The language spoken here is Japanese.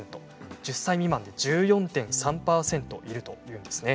１０歳未満は１４．３％いるということなんです。